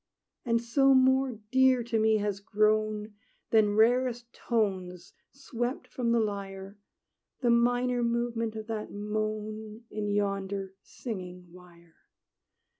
And so more dear to me has grown, Than rarest tones swept from the lyre, The minor movement of that moan In yonder singing wire.